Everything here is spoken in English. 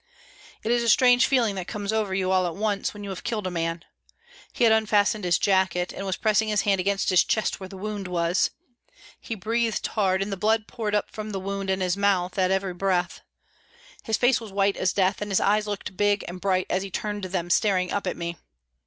It is a strange feeling that comes over you all at once when you have killed a man. He had unfastened his jacket, and was pressing his hand against his chest where the wound was. He breathed hard, and the blood poured from the wound and his mouth at every breath. His face was white as death, and his eyes looked big and bright as he turned them staring up at me.